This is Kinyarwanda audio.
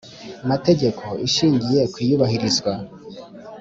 Mategeko, ishingiye ku iyubahirizwa